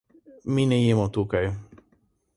Mi ne jemo tukaj.